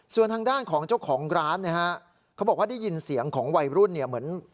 ส่วนทางด้านของเจ้าของร้านนะฮะเขาบอกว่าได้ยินเสียงของวัยรุ่นเนี่ยเหมือน